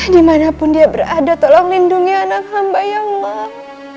dimanapun dia berada tolong lindungi anak hamba ya allah